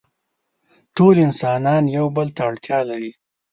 ټول انسانان يو بل ته اړتيا لري.